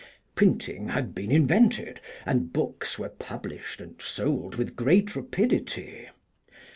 Printing had been invented, and books were published and sold with great rapidity.